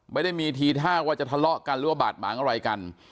ไม่ได้มีทีท่าว่าจะทะเลาะกันหรือว่าบาดหมางอะไรกัน